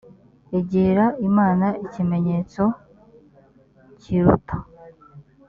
egera imana ikimenyetso kiruta